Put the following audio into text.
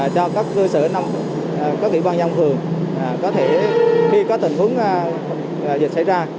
cho các cơ sở các kỷ văn nhâm thường khi có tình huống dịch xảy ra